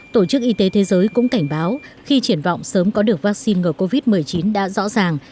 tổ chức y tế thế giới cũng cảnh báo khi triển vọng sớm có được vắc xin ngờ covid một mươi chín đã rõ ràng